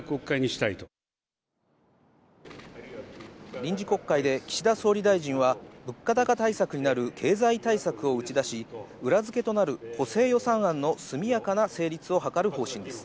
臨時国会で岸田総理大臣は物価高対策になる経済対策を打ち出し、裏付けとなる補正予算案の速やかな成立を図る方針です。